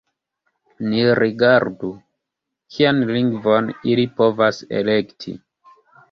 Ni rigardu, kian lingvon ili povas elekti.